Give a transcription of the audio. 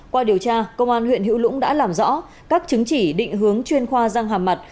qua điều tra công an huyện hữu lũng đã làm rõ các chứng chỉ định hướng chuyên khoa răng hàm mặt